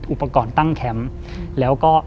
อุปกรณ์ตั้งแคมป์แล้วก็